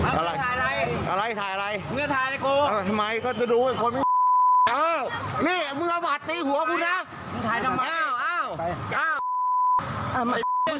เห็นมาหาเรื่องอะไรมึงผมหาเรื่องอะไรมึง